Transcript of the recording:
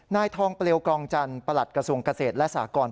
นายทองเปลวกรองจันทร์ประหลัดกระทรวงเกษตรและสากร